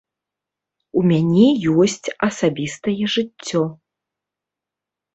У мяне ёсць асабістае жыццё.